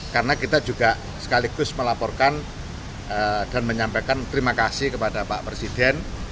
karena kita juga sekaligus melaporkan dan menyampaikan terima kasih kepada pak presiden